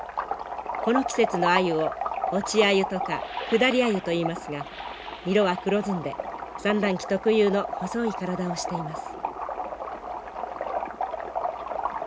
この季節のアユを落ちアユとか下りアユといいますが色は黒ずんで産卵期特有の細い体をしています。